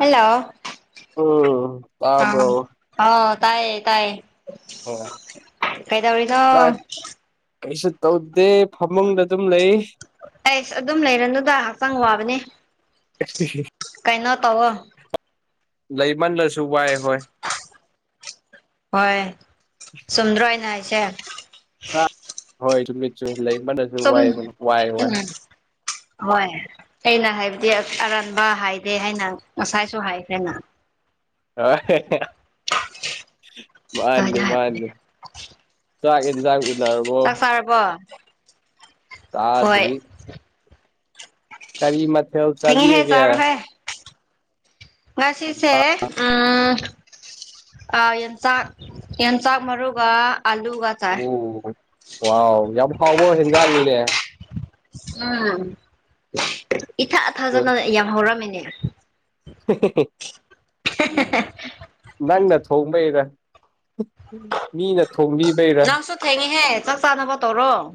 Hello ꯎꯝ ꯑꯥ ꯇꯥꯕ꯭ꯔꯣ ꯑ ꯇꯥꯏꯌꯦ ꯇꯥꯏꯌꯦ ꯍ ꯀꯩꯗꯧꯔꯤꯅꯣ ꯆꯥꯛ ꯀꯩꯁꯨ ꯇꯧꯗꯦ ꯐꯃꯨꯡꯗ ꯑꯗꯨꯝ ꯂꯩ ꯑꯩꯁ ꯑꯗꯨꯝ ꯂꯩꯔꯅꯨꯗ ꯍꯛꯆꯥꯡ ꯋꯥꯕꯅꯦ ꯑꯦꯁꯄꯤꯦꯁꯂꯤ ꯀꯩꯅꯣ ꯇꯧꯋꯣ ꯂꯩꯃꯜꯂꯁꯨ ꯋꯥꯏ ꯍꯣꯏ ꯍꯣꯏ ꯆꯨꯝꯗ꯭ꯔꯣ ꯑꯩꯅ ꯍꯥꯏꯁꯦ ꯍꯣꯏ ꯆꯨꯝꯃꯤ ꯆꯨꯝꯃꯤ ꯂꯩꯃꯜꯂꯁꯨ ꯆꯨꯝ ꯋꯥꯏ ꯋꯥꯏ ꯋꯥꯏ ꯎꯝ ꯍꯣꯏ ꯑꯩꯅ ꯍꯥꯏꯕꯗꯤ ꯑꯔꯥꯟꯕ ꯍꯥꯏꯗꯦ ꯍꯥꯏꯅ ꯉꯁꯥꯏꯁꯨ ꯍꯥꯏꯈ꯭ꯔꯦꯅ ꯃꯥꯅꯤ ꯑꯗꯨꯃꯥꯏꯅ ꯍꯥꯏꯕꯅꯦ ꯃꯥꯅꯤ [inaudible] ꯆꯥꯛ ꯆꯥꯔꯕꯣ ꯍꯣꯏ ꯆꯥꯗ꯭ꯔꯤ ꯀꯔꯤ ꯃꯊꯦꯜ ꯊꯦꯡꯉꯦꯍꯦ ꯆꯥꯕꯤꯕꯒꯦ ꯆꯥꯔꯣꯍꯦ ꯉꯁꯤꯁꯦ ꯎ ꯌꯣꯡꯆꯥꯛ ꯃꯔꯨꯒ ꯑꯂꯨꯒ ꯆꯥꯏ ꯎ ꯋꯥꯎ ꯌꯥꯝ ꯍꯥꯎꯕ ꯍꯦꯟꯖꯥꯡꯅꯤꯅꯦ ꯎꯝ ꯏꯊꯥ ꯊꯥꯖꯗꯅ ꯌꯥꯝ ꯍꯧꯔꯝꯃꯤꯅꯦ ꯅꯪꯅ ꯊꯣꯡꯕꯩꯔ ꯃꯤꯅ ꯊꯣꯡꯕꯤꯕꯩꯔꯥ ꯊꯦꯡꯉꯦꯍꯦ ꯆꯥꯛ ꯆꯥꯅꯕ ꯇꯧꯔꯣ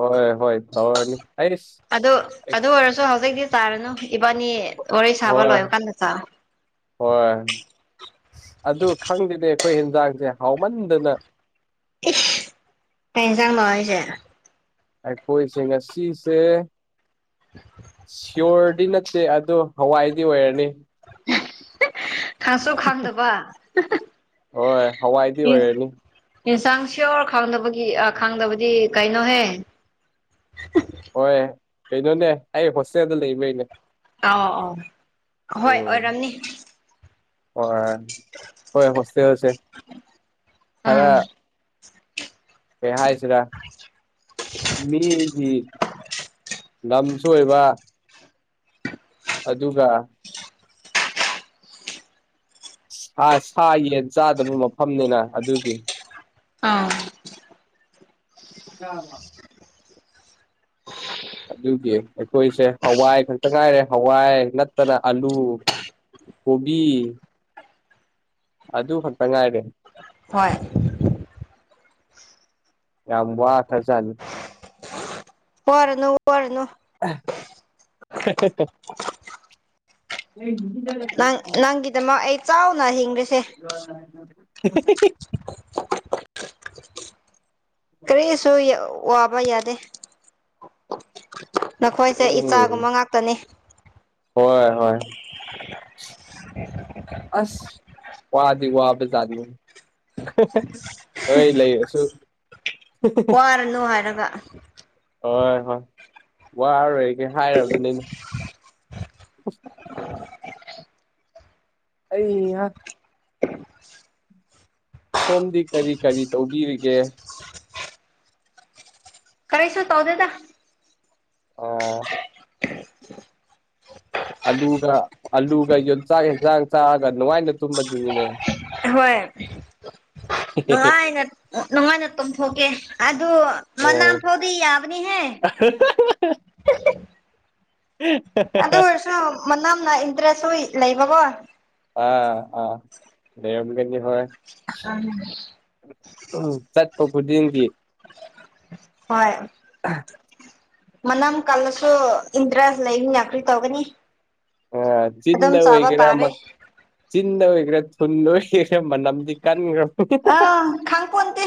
ꯍꯣꯏ ꯍꯣꯏ ꯊꯔꯅꯤ ꯑꯥꯏꯁ ꯑꯗꯨ ꯑꯗꯨ ꯑꯣꯏꯔꯁꯨ ꯍꯧꯖꯤꯛꯇꯤ ꯆꯥꯔꯅꯨ ꯏꯕꯥꯅꯤ ꯋꯥꯔꯤ ꯁꯥꯕ ꯍꯣꯏ ꯂꯣꯏꯕ ꯀꯥꯟꯗ ꯆꯥ ꯍꯣꯏ ꯑꯗꯨ ꯈꯪꯗꯦꯅꯦ ꯑꯩꯈꯣꯏ ꯌꯦꯟꯖꯥꯡꯁꯦ ꯍꯥꯎꯃꯟꯗꯅ ꯏꯁ ꯀꯩ ꯏꯟꯖꯥꯡꯅꯣ ꯍꯥꯏꯁꯦ ꯑꯩꯈꯣꯏꯁꯦ ꯉꯁꯤꯁꯦ ꯁꯤꯌꯣꯔꯗꯤ ꯅꯠꯇꯦ ꯑꯗꯣ ꯍꯋꯥꯏꯗꯤ ꯑꯣꯏꯔꯅꯤ [unintelligible] ꯈꯪꯁꯨ ꯈꯪꯗꯕ ꯍꯣꯏ ꯍꯋꯥꯏꯗꯤ ꯑꯣꯏꯔꯅꯤ ꯏꯟꯁꯥꯡ ꯁꯤꯌꯣꯔ ꯈꯥꯡꯗꯕꯒꯤ ꯈꯥꯡꯗꯕꯗꯤ ꯀꯩꯅꯣꯍꯦ ꯍꯣꯏ ꯀꯩꯅꯣꯅꯦ ꯑꯩ ꯍꯣꯁꯇꯦꯜꯗ ꯂꯩꯕꯩꯅꯦ ꯑꯧ ꯑꯧ ꯍꯣꯏ ꯑꯣꯏꯔꯝꯅꯤ ꯑ ꯍꯣꯏ ꯍꯣꯁꯇꯦꯜꯁꯦ ꯈꯔ ꯎꯝ ꯀꯩ ꯍꯥꯢꯁꯤꯔꯥ ꯃꯤ ꯂꯝꯁꯨ ꯑꯣꯏꯕ ꯑꯗꯨꯒ ꯁꯥ ꯁꯥ ꯌꯦꯟ ꯆꯥꯗꯕ ꯃꯐꯝꯅꯤꯅ ꯑꯗꯨꯗꯤ ꯑꯥ ꯑꯥ ꯑꯗꯨꯒꯤ ꯑꯩꯈꯣꯏꯁꯦ ꯍꯋꯥꯏ ꯈꯛꯇ ꯉꯥꯏꯔꯦ ꯍꯋꯥꯏ ꯅꯠꯇ꯭ꯔꯒ ꯑꯂꯨ ꯀꯣꯕꯤ ꯑꯗꯨ ꯈꯛꯇ ꯉꯥꯏꯔꯦ ꯍꯣꯏ ꯌꯥꯝꯝꯕ ꯈꯔ ꯆꯅꯤ ꯋꯥꯔꯅꯨ ꯑꯣꯏꯔꯅꯨ [unintelligible] ꯅꯪ ꯅꯪꯒꯤꯗꯃꯛ ꯑꯩ ꯆꯥꯎꯅ ꯍꯤꯡꯕꯁꯦ [unintelligible] ꯀꯔꯤꯁꯨ ꯋꯥꯕ ꯌꯥꯗꯦ ꯅꯈꯣꯏꯁꯦ ꯎꯝ ꯏꯆꯥꯒꯨꯝꯕ ꯉꯥꯛꯇꯅꯤ ꯍꯣꯏ ꯍꯣꯏ [unintelligible] ꯑꯁ ꯋꯥꯗ ꯋꯥꯕ ꯆꯥꯗꯂꯨ ꯍꯣꯏ ꯂꯩꯔꯁꯨ ꯋꯥꯔꯅꯨ ꯍꯥꯏꯔꯒ ꯍꯣꯏ ꯍꯣꯏ ꯋꯥꯔꯣꯏꯒꯦ ꯍꯥꯏꯔꯕꯅꯤꯅ [unintelligible] ꯑꯩꯌꯦ ꯁꯣꯝꯗꯤ ꯀꯔꯤ ꯀꯔꯤ ꯇꯧꯕꯤꯔꯤꯒꯦ ꯈꯔꯦꯁꯨ ꯇꯧꯗꯦꯗ ꯑꯣ ꯑꯂꯨꯒ ꯑꯂꯨꯒ ꯌꯟꯆꯥꯛ ꯌꯦꯟꯖꯥꯡ ꯆꯥꯛꯒ ꯅꯨꯡꯉꯥꯏꯅ ꯇꯨꯝꯕꯗꯨꯅꯤꯅꯦ ꯍꯣꯏ ꯅꯨꯡꯉꯥꯏꯅ ꯅꯨꯡꯉꯥꯏꯅ ꯇꯣꯊꯣꯛꯀꯦ ꯑꯗꯨ ꯃ ꯅ ꯎꯝ ꯐꯣꯗꯤ ꯌꯥꯕꯅꯤ ꯍꯥꯏ ꯎꯝ ꯑꯗꯨ ꯑꯣꯏꯔꯁꯨ ꯃꯅꯥꯅ ꯏꯟꯗ꯭ꯔꯁꯨ ꯂꯩꯕꯀꯣ ꯑꯥ ꯑꯥ ꯂꯩꯔꯒꯅꯤ ꯍꯣꯏ [inaudible] ꯎꯝ ꯆꯠꯄ ꯈꯨꯗꯤꯡꯒꯤ ꯍꯣꯏ [unintelligible] ꯃꯅꯝ ꯀꯜꯂꯁꯨ ꯏꯟꯗ꯭ꯔ ꯂꯩꯔꯤ ꯌꯥꯥꯛꯇ꯭ꯔꯤ ꯇꯧꯒꯅꯤ ꯑꯗꯨꯝ ꯑ ꯤꯗ ꯆꯥꯕ ꯑꯣꯏꯒꯦꯔ ꯇꯥꯔꯦ ꯆꯤꯟꯗ ꯑꯣꯏꯈ꯭ꯔꯦ ꯊꯨꯟ ꯑꯣꯏꯈ꯭ꯔꯦ ꯃꯅꯝꯗꯤ ꯀꯟꯈ꯭ꯔꯕ ꯑ ꯈꯪ ꯀꯇꯦ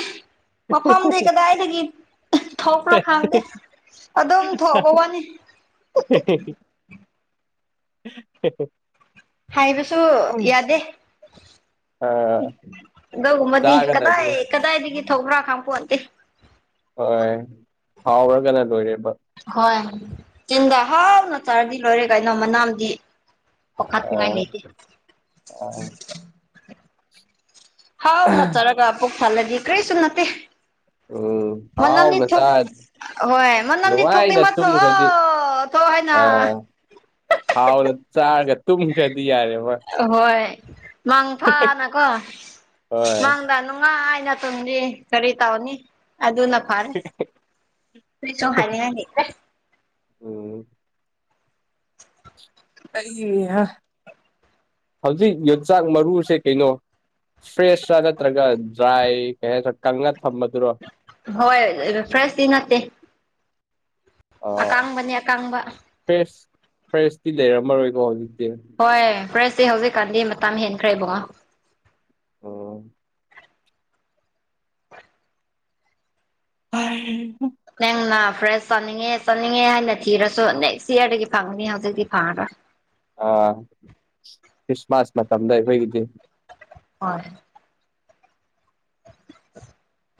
ꯃꯐꯝꯗꯤ ꯀꯗꯥꯏꯗꯒꯤ ꯊꯣꯛꯄ꯭ꯔꯥ ꯈꯪꯗꯦ ꯑꯗꯨꯝ ꯊꯣꯛꯑꯕ ꯋꯥꯅꯤ [unintelligible] ꯍꯥꯏꯕꯁꯨ ꯌꯥꯗꯦ ꯑꯥ ꯑꯗꯨꯒꯨꯝꯕꯗꯤ ꯀꯗꯥꯏ ꯆꯥꯒꯗꯕꯅꯤ ꯀꯗꯥꯏꯗꯒꯤ ꯊꯧꯕ꯭ꯔꯥ ꯈꯥꯡꯄꯣꯛꯇꯦ ꯍꯣꯏ ꯍꯥꯎꯔꯒꯅ ꯂꯣꯏꯔꯦꯕ ꯍꯣꯏ ꯇꯤꯟꯗ ꯍꯥꯎꯅ ꯆꯥꯔꯗꯤ ꯂꯣꯏꯔꯦ ꯀꯩꯅꯣ ꯃꯅꯥꯝꯗꯤ ꯄꯈꯥ ꯀꯉꯥꯏ ꯂꯩꯇꯦ ꯑ ꯍꯥꯎ ꯉ ꯆꯔꯒ ꯄꯨꯣꯛꯛ ꯊꯜꯂꯗꯤ ꯀꯔꯤꯁꯨ ꯅꯠꯇꯦ ꯎ ꯍꯥꯎ ꯃꯅꯝꯗꯤ ꯊꯣꯛ ꯄ꯭ꯔꯁꯥꯗ ꯍꯣꯏ ꯃꯅꯝꯗꯤ ꯊꯣꯛꯅꯤꯡꯕ ꯊꯣꯛꯑꯣ ꯊꯣꯛꯑꯣ ꯍꯥꯏꯅ ꯑꯥ ꯍꯥꯎꯅ ꯆꯥꯒ ꯇꯨꯝꯈ꯭ꯔꯗꯤ ꯌꯥꯔꯦꯕ ꯑꯍꯣꯏ ꯃꯪ ꯐꯥꯅꯀꯣ ꯍꯣꯏ ꯃꯪꯗ ꯅꯨꯡꯉꯥꯏ ꯍꯥꯏꯅ ꯇꯗꯤ ꯀꯔꯤ ꯇꯥꯎꯅꯤ ꯑꯗꯨꯅ ꯐꯥꯔꯦ ꯀꯁꯨ ꯍꯥꯏꯅ ꯍꯥꯏꯅꯦ ꯎꯝ ꯑꯩ ꯍꯧꯖꯤꯛ ꯌꯟꯆꯥꯛ ꯃꯔꯨꯁꯦ ꯀꯩꯅꯣ ꯐ꯭ꯔꯦꯁꯇꯥ ꯅꯠꯇ꯭ꯔꯒ ꯗ꯭ꯔꯥꯏ ꯀꯩ ꯍꯥꯏꯥ ꯀꯪꯉ ꯊꯝꯕꯗꯨꯔꯣ ꯍꯣꯏ ꯐ꯭ꯔꯦꯁꯗꯤ ꯅꯠꯇꯦ ꯑꯣ ꯑꯀꯥꯡꯕꯅꯤ ꯑꯀꯥꯡꯕ ꯐ꯭ꯔꯦꯁ ꯐ꯭ꯔꯦꯁꯇꯤ ꯂꯩꯔꯝꯃꯔꯣꯏꯀꯣ ꯍꯧꯖꯤꯛꯇꯤ ꯍꯣꯏ ꯐ꯭ꯔꯦꯁꯁꯤꯦ ꯍꯧꯖꯤꯛꯀꯥꯟꯗꯤ ꯃꯇꯝ ꯍꯦꯟꯈ꯭ꯔꯦꯕꯨꯡꯣ ꯑ ꯍ ꯅꯪꯅ ꯐ꯭ꯔꯦꯁ ꯆꯥꯅꯤꯡꯉꯦ ꯆꯥꯅꯤꯡꯉꯦ ꯍꯥꯏꯅ ꯊꯤꯔꯁꯨ ꯅꯦꯛꯁ ꯏꯌꯥꯔꯗꯒꯤ ꯐꯪꯒꯅꯤ ꯍꯧꯖꯤꯛꯇꯤ ꯐꯪꯉꯔꯣꯏ ꯑꯥ ꯈ꯭ꯔꯤꯁꯃꯥꯁ ꯃ ꯆꯗ ꯀꯣꯏꯗꯤ ꯍꯣꯏ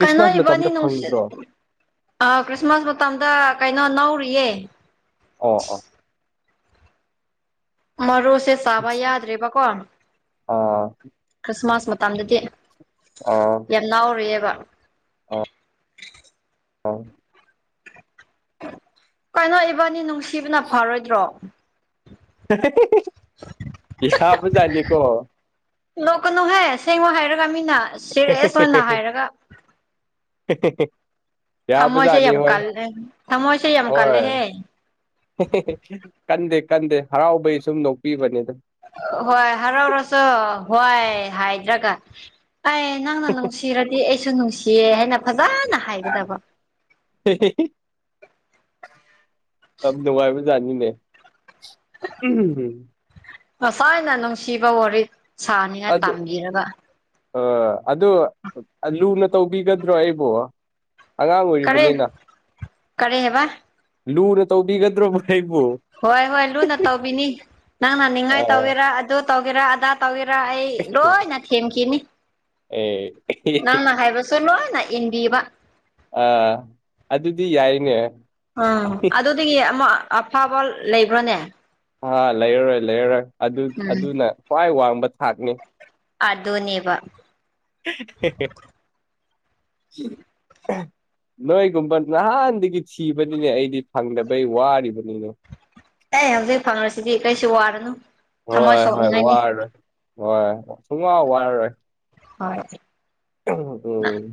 ꯀꯩꯅꯣ ꯏꯕꯥꯅꯤ ꯃꯇꯝꯗ ꯅꯨꯡꯁꯤꯠ ꯐꯪꯗ꯭ꯔꯣ ꯑ ꯈ꯭ꯔꯤꯁꯃꯥꯁ ꯃꯇꯝꯗ ꯀꯩꯅꯣ ꯅꯧꯔꯤꯌꯦ ꯑꯣ ꯑꯣ ꯃꯔꯨꯁꯦ ꯆꯥꯕ ꯌꯥꯗ꯭ꯔꯕꯀꯣ ꯑꯥ ꯈ꯭ꯔꯤꯁꯃꯥꯁ ꯃꯇꯝꯗꯗꯤ ꯑ ꯌꯥꯝ ꯂꯥꯎꯔꯨꯦꯕ ꯑ ꯑ ꯀꯩꯅꯣ ꯏꯕꯥꯅꯤ ꯅꯨꯡꯁꯤꯕꯅ ꯐꯔꯣꯏꯗ꯭ꯔꯣ ꯏꯍꯕꯖꯥꯅꯤꯀꯣ ꯂꯣꯛꯀꯅꯨꯍꯦ ꯁꯦꯡꯉꯣ ꯍꯥꯏꯔꯒ ꯃꯤꯅ ꯁꯦꯔꯤꯌꯁ ꯑꯣꯏꯅ ꯍꯥꯏꯔꯒ [unintelligible] ꯊꯃꯣꯁꯦ ꯌꯥꯕꯖꯥꯠꯅꯤ ꯌꯥꯝ ꯍꯣꯏ ꯀꯜꯂꯦ ꯊꯃꯣꯁꯦ ꯌꯥꯝ ꯍꯣꯏ ꯀꯜꯂꯦꯍꯦ ꯀꯟꯗꯦ ꯀꯟꯗꯦ ꯍꯔꯥꯎꯕꯩ ꯁꯨꯝ ꯅꯣꯛꯄꯤꯕꯅꯤꯗ ꯍꯣꯏ ꯍꯔꯥꯎꯔꯁꯨ ꯍꯣꯏ ꯍꯥꯏꯗ꯭ꯔꯒ ꯑꯩ ꯅꯪꯅ ꯅꯨꯡꯁꯤꯔꯗꯤ ꯑꯩꯁꯨ ꯅꯨꯡꯁꯤꯌꯦ ꯍꯥꯏꯅ ꯐꯖꯅ ꯍꯥꯏꯒꯗꯕ ꯑ ꯕꯥꯏꯕꯨ ꯅꯦꯦ ꯉꯁꯥꯏ ꯑꯅ ꯅꯨꯡꯁꯤꯕ ꯋꯥꯔꯤ ꯁꯥꯅꯤꯡꯉꯥꯏ ꯇꯥꯟꯕꯤꯔꯒ ꯑ ꯑꯗꯨ ꯂꯨꯅ ꯇꯧꯕꯤꯒꯗ꯭ꯔꯣ ꯑꯩꯕꯨꯣ ꯑꯉꯥꯡ ꯀꯔꯤ ꯑꯣꯏꯔꯤꯕꯅꯤꯅ ꯀꯔꯤ ꯍꯥꯏꯕ ꯂꯨꯅ ꯇꯧꯕꯤꯒꯗ꯭ꯔꯕ ꯑꯩꯕꯨ ꯍꯣꯏ ꯍꯣꯏ ꯂꯨꯅ ꯇꯧꯕꯤꯅꯤ ꯅꯪꯅ ꯅꯤꯡꯉꯥꯏ ꯑꯣ ꯇꯧꯒꯦꯔ ꯑꯗꯨ ꯇꯧꯒꯦꯔꯥ ꯑꯗꯥ ꯇꯧꯒꯦꯔꯥ ꯑꯩ ꯂꯣꯏꯅ ꯊꯦꯝꯈꯤꯅꯤ ꯑꯦ ꯅꯪꯅ ꯍꯥꯏꯕ ꯁꯜꯣ ꯅ ꯏꯟꯗꯤ ꯋꯥ ꯑꯥ ꯑꯗꯨꯗꯤ ꯌꯥꯏꯅꯦ ꯑꯝ ꯑꯗꯨꯗꯒꯤ ꯑꯃꯨ ꯑꯐꯕ ꯂꯩꯕ꯭ꯔꯣꯅꯦ ꯑ ꯂꯩꯔꯔꯣꯏ ꯂꯩꯔꯔꯣꯏ ꯑꯗꯨ ꯎꯝ ꯑꯗꯨꯅ ꯈ꯭ꯋꯥꯏ ꯋꯥꯡꯕ ꯊꯥꯛꯅꯤ ꯑꯗꯣꯅꯦꯕ ꯍꯦ ꯍꯦ ꯅꯣꯏꯒꯨꯝꯕ ꯅꯍꯥꯟꯗꯒꯤ ꯊꯤꯕꯅꯤꯅꯦ ꯑꯩꯗꯤ ꯐꯪꯗꯕꯩ ꯋꯥꯔꯤꯕꯅꯤꯅꯦ ꯑꯩ ꯍꯧꯖꯤꯛ ꯐꯪꯁꯤꯗꯤ ꯀꯩꯁꯨ ꯋꯥꯔꯅꯨ ꯊꯃꯣꯏ ꯍꯣꯏ ꯍꯣꯏ ꯁꯣꯛꯅꯤꯡꯉꯥꯏꯅꯤ ꯋꯥꯔꯔꯣꯏ ꯍꯣꯏ ꯁꯨꯝ ꯋꯥꯔꯔꯣꯏ ꯍꯣꯏ ꯎꯝ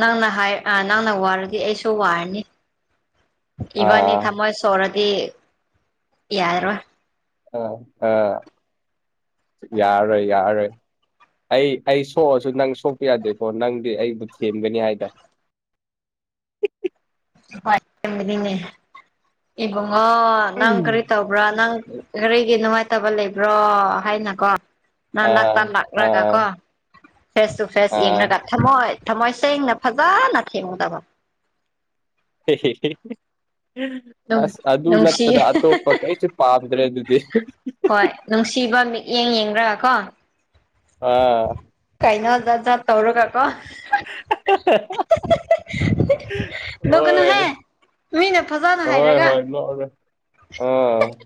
ꯅꯪꯅ ꯍꯥꯏ ꯅꯪꯅ ꯋꯥꯔꯗꯤ ꯑꯩꯁꯨ ꯋꯥꯔꯅꯤ ꯏꯕꯥꯅꯤ ꯑꯥ ꯊꯃꯁ ꯁꯣꯔꯣꯔꯗꯤ ꯌꯥꯔꯔꯣꯏ ꯑ ꯑꯥ ꯌꯥꯔꯣꯏ ꯌꯥꯔꯣꯏ ꯑꯩ ꯑꯩ ꯁꯣꯛꯑꯁꯨ ꯅꯪ ꯁꯣꯛꯄ ꯌꯥꯗꯦꯀꯣ ꯅꯪꯗꯤ ꯑꯩꯕꯨ ꯊꯦꯟꯒꯅꯤ ꯍꯥꯏꯇꯥꯔꯦ ꯅꯦ ꯏꯕꯉꯣ ꯅꯥꯡ ꯎꯝ. ꯀꯔꯤ ꯇ ꯭ꯔꯥ ꯅꯪ ꯀꯔꯤꯒꯤ ꯅꯨꯡꯉꯥꯏꯇꯕ ꯂꯩꯕ꯭ꯔꯣ ꯍꯥꯏꯅꯀꯣ ꯑꯥ ꯅꯥꯟꯥꯛꯇꯂ ꯏꯒ ꯑꯥ ꯀꯣ ꯐꯦꯁ ꯇꯨ ꯐꯦꯁ ꯑꯥ ꯌꯦꯡꯂꯡꯉꯒ ꯊꯝꯃꯣꯏ ꯊꯝꯃꯣꯏ ꯁꯦꯡꯅ ꯐꯖꯅ ꯊꯦꯡꯉꯗꯕ ꯍꯦ ꯍꯦ ꯍꯦ ꯍꯦ ꯑꯁ ꯑꯗꯨ ꯅꯨꯡꯁꯤ ꯅꯠꯇꯅ ꯑꯇꯣꯞꯄ ꯀꯩꯁꯨ ꯄꯥꯝꯗ꯭ꯔꯦ ꯑꯗꯨꯗꯤ ꯍꯣꯏ ꯅꯨꯡꯁꯤꯕ ꯃꯤꯠꯌꯦꯡ ꯌꯦꯡꯕ꯭ꯔ ꯀꯣ ꯑꯥ ꯀꯩꯅꫭꯗ ꯖꯥꯠꯖ ꯇꯧꯔꯒꯥ ꯀꫭ [inaudible] ꯍꯣꯏ ꯅꫭꯛꯀꯅꯨꯍꯦ ꯃꯤꯅ ꯐꯖꯅ ꯍꯥꯏꯔꯒ ꯅꫭꯛꯑꯔꯥꯏ ꯑꯣ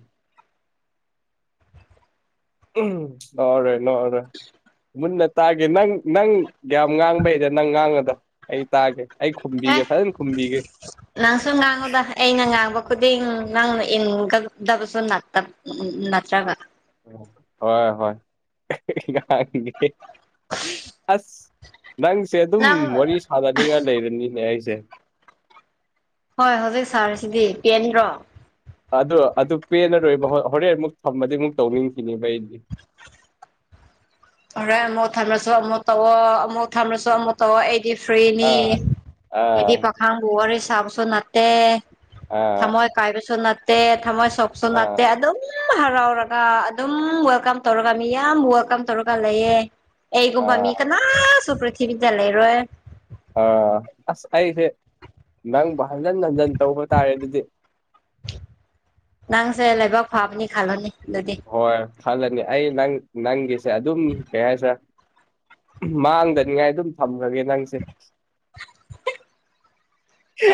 ꯅꯣꯛꯑꯔꯣꯏ ꯅꯣꯛꯑꯔꯣꯏ ꯃꯨꯟꯅ ꯇꯥꯒꯦ ꯅꯪ ꯅꯪ ꯌꯥꯝ ꯉꯥꯡꯕꯩꯔ ꯅꯪ ꯉꯥꯡꯉꯗꯣ ꯑꯩ ꯇꯥꯒꯦ ꯑꯩ ꯑꯦ ꯈꯨꯝꯕꯤꯒꯦ ꯐꯖꯅ ꯈꯨꯝꯕꯤꯒꯦ ꯅꯪꯁꯨ ꯉꯥꯡꯉꯨꯗ ꯑꯩꯅ ꯉꯥꯡꯕ ꯈꯨꯗꯤꯡ ꯅꯪꯅ ꯏꯟꯒꯗꯕꯁꯨ ꯅꯥꯛꯇꯕ ꯎꯝ ꯅꯠꯇ꯭ꯔꯒ ꯍꯣꯏ ꯍꯣꯏ ꯏꯤ ꯀꯔꯥꯛꯇꯨꯏꯅꯦꯍꯦ ꯑꯁ ꯅꯪꯁꯦ ꯑꯗꯨꯝ ꯅꯪ ꯋꯥꯔꯤ ꯁꯥꯅꯅꯤꯡꯉꯥꯏ ꯂꯩꯔꯅꯤꯅꯦ ꯑꯩꯁꯦ ꯍꯣꯏ ꯍꯧꯖꯤꯛ ꯁꯥꯔꯁꯤꯗꯤ ꯄꯦꯟꯗ꯭ꯔꯣ ꯑꯗꯨ ꯑꯗꯨ ꯄꯦꯟꯅꯔꯣꯏꯕ ꯍꯣꯔꯦꯟ ꯑꯃꯨꯛ ꯊꯝꯃꯗꯤ ꯑꯃꯨꯛ ꯇꯧꯅꯤꯡꯈꯤꯅꯦꯕ ꯑꯩꯗꯤ [inaudible] ꯍꯣꯔꯦ ꯑꯃꯨꯛ ꯊꯝꯃꯁꯨ ꯑꯃꯨꯛ ꯇꯧꯑꯣ ꯑꯃꯨꯛ ꯊꯝꯃꯁꯨ ꯑꯃꯨꯛ ꯇꯧꯛꯑꯣ ꯑꯩ ꯗꯤ ꯐ꯭ꯔꯔꯤꯅꯤ ꯑꯥ ꯍꯥꯏꯗꯤ ꯑꯥ ꯄ ꯅꯪꯕꯨ ꯋꯥꯔꯤ ꯁꯥꯕꯁꯨ ꯅꯠꯇꯦ ꯑꯥ ꯊꯝꯃꯣꯏ ꯀꯥꯏꯕꯁꯨ ꯅꯠꯇꯦ ꯊꯝꯃꯣꯏ ꯁꯣꯛ ꯁꯣ ꯅꯥꯠꯇꯦ ꯑꯥ ꯑꯗꯨꯝ ꯍꯔꯥꯎꯔꯒ ꯑꯗꯨꯝ ꯋꯦꯜꯀꯝ ꯇꯧꯔꯒ ꯃꯤ ꯌꯥꯝ ꯋꯦꯜꯀꯝ ꯇꯧꯔ ꯂꯩꯌꯦ ꯑꯩꯒꯨꯝꯕ ꯑꯥ ꯃꯤ ꯀꯅꯥꯁꯨ ꯄ꯭ꯔꯤꯊꯤꯕꯤꯗ ꯂꯩꯔꯣꯏ ꯑꯥ ꯑꯁ ꯑꯩꯁꯦ ꯅꯪꯕꯨ ꯍꯟꯖꯤꯟ ꯍꯟꯖꯤꯟ ꯇꯧꯕ ꯇꯥꯔꯦ ꯑꯗꯨꯗꯤ ꯅꯪꯁꯦ ꯂꯩꯕꯥꯛ ꯐꯥꯕꯅꯤ ꯈꯜꯂꯨꯅꯦ ꯑꯗꯨꯗꯤ ꯍꯣꯏ ꯈꯜꯂꯅꯤ ꯑꯩ ꯅꯪ ꯅꯪꯒꯤꯁꯦ ꯑꯗꯨꯝ ꯀꯩ ꯍꯥꯏꯁꯤꯔꯥ ꯃꯥꯡꯗꯅꯤꯉꯥꯏ ꯑꯗꯨꯝ ꯊꯝꯈꯒꯦ ꯅꯪꯁꯦ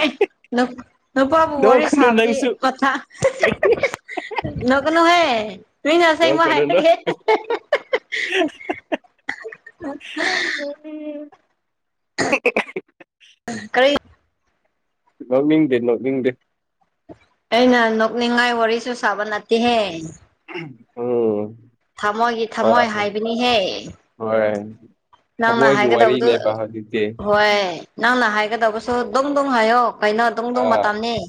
ꯑꯦ ꯅꯨꯄꯥꯕꯨ ꯋꯥꯔꯤ ꯅꯣꯛꯀꯅꯨ ꯁꯥꯕꯗꯤ ꯅꯪꯁꯨ ꯀꯊꯥ ꯅꯣꯛꯀꯅꯨꯍꯦ꯫ ꯃꯤꯅ ꯑꯁꯦꯡꯕ ꯅꯣꯛꯀꯅꯨ ꯅꯣꯛ ꯍꯥꯏꯔꯒꯦ [unintelligible] ꯀꯔꯤ ꯅꫭꯛꯅꯤꯡꯗꯦ ꯅꫭꯛꯅꯤꯡꯗꯦ ꯑꯩꯅ ꯅꯣꯛꯅꯤꯡꯉꯥꯏ ꯋꯥꯔꯤꯁꯨ ꯁꯥꯕ ꯅꯠꯇꯦꯍꯦ [unintelligible] ꯑꯣ ꯊꯝꯃꯣꯏꯒꯤ ꯊꯝꯃꯣꯏ ꯍꯥꯏꯕꯅꯤꯍꯦ ꯍꯣꯏ ꯅꯪꯅ ꯊꯃꯣꯏꯒꯤ ꯍꯥꯏꯒꯗꯕꯗꯨ ꯋꯥꯔꯤꯅꯦꯕ ꯍꯧꯖꯤꯛꯇꯤ ꯍꯣꯏ ꯅꯪꯅ ꯍꯥꯏꯒꯗꯕꯁꯨ ꯗꫭꯛ ꯗꫭꯛ ꯍꯥꯏꯌꯣ ꯀꯩꯅꯣ ꯗꯨꯡ ꯗꯨꯡ ꯑꯥ ꯃꯇꯝꯅꯤ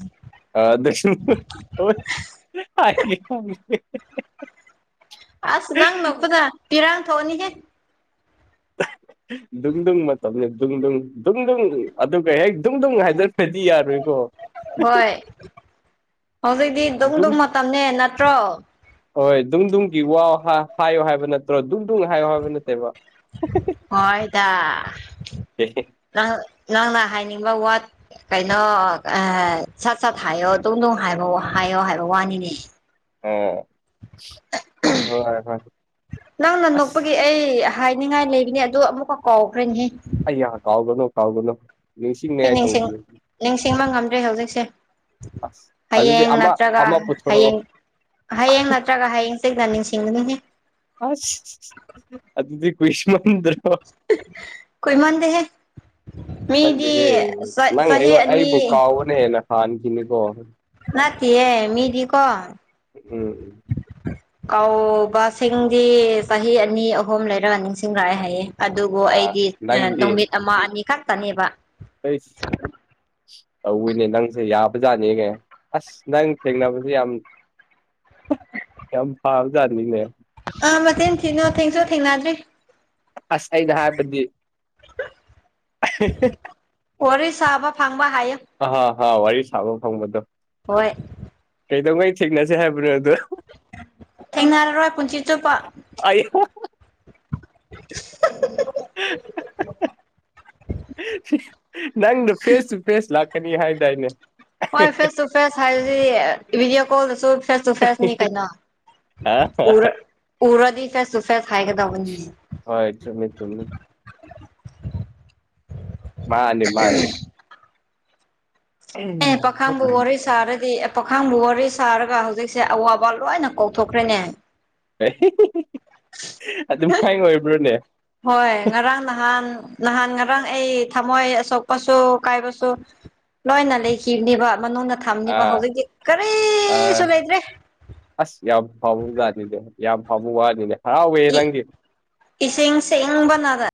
ꯑꯥ ꯗꯁꯨ ꯑꫭꯏ ꯍꯥꯏꯒꯦ ꯍꯥꯏꯒꯦ ꯑꯁ ꯅꯪ ꯅꫭꯛꯄꯗ ꯄꯤꯔꯥꯡ ꯊꫭꯛꯑꯅꯤ ꯍꯦꯛ [unintelligible] ꯗꯨꯡꯗꯨꯡ ꯃꯇꯝꯅꯤ ꯗꯨꯡꯗꯨꯡ ꯗꯨꯡꯗꯨꯡ ꯑꯗꯨꯒ ꯍꯦꯛ ꯗꯨꯡꯗꯨꯨꯡ ꯍꯥꯏꯗꯔꯄꯗꯤ ꯌꯥꯔꯣꯏꯀꯣ ꯍꯣꯏ ꯍꯧꯖꯤꯛꯇꯤ ꯗꯨꯡ ꯗꯨꯡꯗꯨꯡ ꯃꯇꯝꯅꯦ ꯅꯠꯇ꯭ꯔꯣ ꯍꯣꯏ ꯗꯨꯡꯗꯨꯡꯒꯤ ꯋꯥ ꯍꯥꯏꯌꯣ ꯍꯥꯏꯕ ꯅꯠꯇ꯭ꯔꯣ ꯗꯨꯡꯗꯨꯡ ꯍꯥꯏꯌꯣ ꯍꯥꯏꯕ ꯅꯠꯇꯦꯕ ꯍꯣꯏꯗ ꯑꯦ ꯍꯦ ꯅꯪ ꯅꯪꯅ ꯍꯥꯏꯅꯤꯡꯕ ꯋꯥ ꯀꯩꯅꯣ ꯑꯥ ꯁꯠ ꯁꯠ ꯍꯥꯏꯌꯣ ꯗꯨꯡ ꯗꯨꯡ ꯍꯥꯏꯕ ꯍꯥꯏꯌꯣ ꯍꯥꯏꯕ ꯋꯥꯅꯤꯅꯦ ꯑꯣ ꯅꯪꯅ ꯑꯁ ꯅꯣꯛꯄꯒꯤ ꯑꯩ ꯍꯥꯏꯅꯤꯡꯉꯥꯏ ꯂꯩꯕꯅꯦ ꯑꯗꯣ ꯑꯃꯨꯛꯀ ꯀꯥꯎꯈ꯭ꯔꯅꯤꯍꯦ ꯑ ꯀꯥꯎꯒꯅꯣ ꯀꯥꯎꯒꯅꯣ ꯑꯩ ꯅꯤꯡꯁꯤꯡ ꯅꯤꯡꯁꯤꯡꯕ ꯉꯝꯗ꯭ꯔꯦ ꯍꯧꯖꯤꯛꯁꯦ ꯑꯁ ꯑꯗꯨꯗꯤ ꯍꯌꯦꯡ ꯑꯃ ꯅꯠꯇ꯭ꯔꯒ ꯑꯃ ꯄꯨꯊꯣꯔꯛꯑꯣ ꯍꯌꯦꯡ ꯍꯌꯦꯡ ꯅꯠꯇ꯭ꯔꯒ ꯍꯌꯦꯡꯁꯗ ꯅꯤꯡꯁꯤꯡꯒꯅꯤꯉ ꯑꯁ ꯑꯗꯨꯗꯤ ꯀ꯭ꯋꯁꯃꯟꯗ꯭ꯔ ꯀꯣꯏ ꯃꯥꯥꯟꯗ ꯍꯦ ꯃꯟꯗꯤꯍꯦ ꯅꯪ ꯆꯍꯤ ꯑꯩꯉꯣꯟ ꯑꯩꯕꯨ ꯑꯅꯤ ꯀꯥꯎꯕꯅ ꯍꯦꯟꯅ ꯍꯥꯟꯈꯤꯅꯤꯀꯣ ꯅꯇꯌꯦꯦ ꯃꯤꯗꯤ ꯀꯣ ꯎꯝ ꯀ ꯁꯤꯡꯗꯤ ꯆꯍꯤ ꯑꯅꯤ ꯑꯍꯨꯝ ꯂꯩꯔꯒ ꯅꯤꯡꯁꯤꯡꯂꯛꯑꯦ ꯍꯥꯏꯌꯦ ꯑꯗꯨꯕꯨ ꯑꯥ ꯑꯩꯗꯤ ꯅꯪꯗꯤ ꯅꯨꯃꯤꯠ ꯑꯃ ꯑꯅꯤ ꯈꯛꯇꯅꯦꯕ ꯀꯩꯁ ꯇꯧꯏꯅꯦ ꯅꯪꯁꯦ ꯌꯥꯕꯖꯥꯠꯅꯦꯒ ꯑꯁ ꯅꯪ ꯊꯦꯡꯅꯕꯁꯦ ꯌꯥꯝ ꯌꯥꯝ ꯐꯥꯎꯖꯔꯃꯤꯅꯦ ꯑ ꯃ ꯃꯇꯦꯟ ꯊꯤ ꯅꯣ ꯊꯦꯡꯁꯨ ꯊꯦꯡꯅꯗ꯭ꯔꯤ ꯑꯁ ꯑꯩꯍ ꯍꯥꯄ [unintelligible] ꯁ ꯍꯣꯔ ꯁꯥꯕ ꯐꯪꯕ ꯍꯥꯏꯌ ꯍꯥ ꯍꯥꯎ ꯋꯥꯔꯤ ꯋꯥꯔꯤ ꯁꯔꯣ ꯐꯥꯎ ꯃꯗꯣ ꯍꯣꯏ ꯀꯩꯗꯧꯉꯩ ꯊꯦꯡꯅꯁꯦ ꯍꯥꯏꯕꯅꯣ ꯑꯗꯣ ꯊꯦꯡꯅꯔꯔꯣꯏ ꯄꯨꯟꯁꯤ ꯆꯨꯞꯄ ꯑꯌ ꯅꯪ ꯐꯦꯁꯨ ꯐꯦꯁ ꯂꯥꯛ ꯅꯤ ꯍꯥꯏꯗꯏꯅꯦ ꯍꯣꯏ face to face high ꯗꯤꯑꯣ call ꯐ ꯁꯐꯦꯁꯅꯤ ꯀꯅꯥ ꯎꯔ ꯎꯔꯗ ꯐꯦ ꯁꯐꯦꯁ ꯍꯥꯏ ꯀ ꯍꯣꯏ ꯆꯃꯦꯃꯦ ꯊꯃꯦꯃꯦ ꯃꯥꯅꯦ ꯃꯥꯅꯤ ꯑꯦ ꯄꯥꯈꯥꯕꯨ ꯋꯥꯔꯤ ꯁꯥꯔꯗꯤ ꯄꯥꯈꯥꯡꯕꯨ ꯋꯥꯔꯤ ꯁꯥꯔꯒ ꯍꯧꯖꯤꯛꯁꯦ ꯑꯋꯥꯕ ꯂꯣꯏꯅ ꯀꯣꯛꯊꯣꯛꯈ꯭ꯔꯦꯅꯦ ꯑꯦ ꯑꯗꯨꯝ ꯐꯥꯏ ꯑꯣꯏꯕ꯭ꯔꯣꯅꯦ ꯍꯣꯏ ꯉꯔꯥꯡ ꯅꯍꯥꯟ ꯅꯍꯥꯟ ꯉꯔꯥꯡ ꯑꯩ ꯊꯝꯃꯣꯏ ꯑꯁꯣꯛꯄꯁꯨ ꯀꯥꯏꯕꯁꯨ ꯂꯣꯏꯅ ꯂꯩꯈꯤꯕꯅꯤꯕ ꯃꯅꯨꯡꯗ ꯊꯝꯅꯤꯕ ꯍꯧꯖꯤꯛꯇꯤ ꯑꯥ ꯀꯔꯤꯁꯨ ꯂꯩꯇ꯭ꯔꯦ ꯑꯁ ꯌꯥꯝ ꯐꯥꯎꯕꯖꯠꯅꯤꯅꯦ ꯌꯥꯝ ꯐꯥꯎꯕ ꯋꯥꯅꯤꯅꯦ ꯍꯔꯥꯎꯋꯦ ꯏ ꯅꯪꯒꯤ ꯏꯁꯤꯡ ꯁꯦꯡꯕꯅꯔ